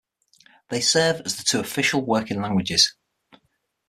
They serve as the two official working languages.